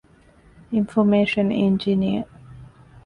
އިންފޮރމޭޝަން އިންޖިނިއަރ